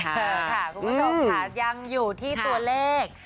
ค่ะคุณผู้ชมค่ะยังอยู่ที่ตัวเลข